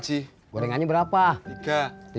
sekarang dizer dia di tabung